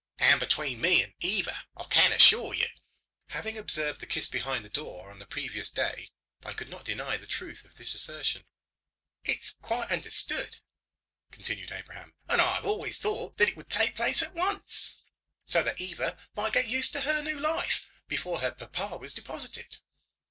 "And between me and Eva, I can assure you." Having observed the kiss behind the door on the previous day, I could not deny the truth of this assertion. "It is quite understood," continued Abraham, "and I had always thought that it was to take place at once, so that Eva might get used to her new life before her papa was deposited."